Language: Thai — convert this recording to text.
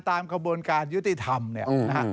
ตามกระบวนการยุติธรรมเนี่ยนะฮะ